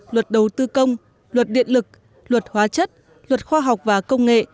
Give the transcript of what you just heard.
luật đầu tư công luật điện lực luật hóa chất luật khoa học và công nghệ